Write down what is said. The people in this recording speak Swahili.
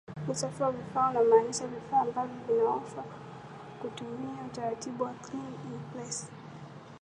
Usafi wa vifaa unamaanisha vifaa ambavyo vinaoshwa kutumia utaratibu wa Clean in Place